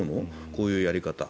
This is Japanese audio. こういうやり方。